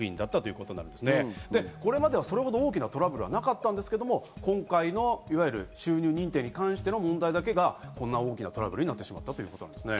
これまではそれほど大きなトラブルはなかったんですけど、今回の収入認定に関しての問題だけがこんな大きなトラブルになってしまったということですね。